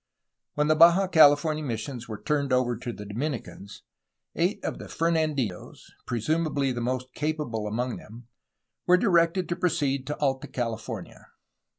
When the Baja California missions were turned over to the Dominicans, eight of the Fernandinos, presumably the most capable among them, were directed to proceed to Alta Cahfornia.